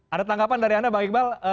ada tanggapan dari anda bang iqbal